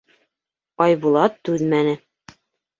Айбулат түҙмәне.